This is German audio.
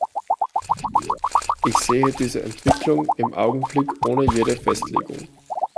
Ich sehe diese Entwicklung im Augenblick ohne jede Festlegung.